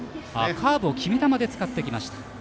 カーブを決め球で使ってきました。